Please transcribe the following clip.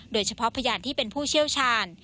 โดยเฉพาะพยานที่เป็นผู้เชี่ยวชาญ